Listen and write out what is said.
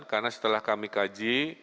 karena setelah kami kaji